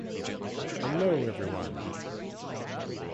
Hello everyone